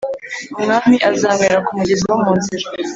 Umwami azanywera ku mugezi wo mu nzira,